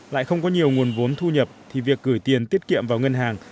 lại không có nhiều nguồn vốn thu nhập thì việc gửi tiền tiết kiệm vào ngân hàng